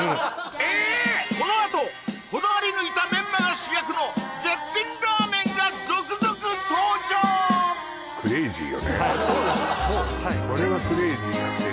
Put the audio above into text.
このあとこだわりぬいたメンマが主役の絶品ラーメンが続々登場はいそうなんです